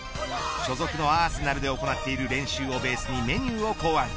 所属のアーセナルで行っている練習をベースにメニューを考案。